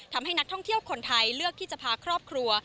ทำให้นักท่องเที่ยวคนไทยเลือกที่จะพาครอบครัว